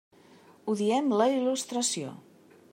Odiem la il·lustració.